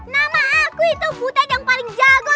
nama aku itu butet yang paling jago